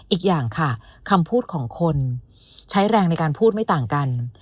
อีกอย่างค่ะคำพูดของคนใช้แรงในการพูดไม่ต่างกัน